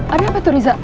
ada apa tuh riza